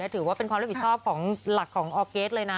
ถือว่าเป็นความรับผิดชอบของหลักของออร์เกสเลยนะ